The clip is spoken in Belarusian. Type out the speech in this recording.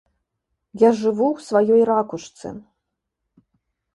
Я жыву ў сваёй ракушцы.